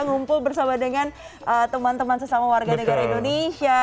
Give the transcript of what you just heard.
ngumpul bersama dengan teman teman sesama warga negara indonesia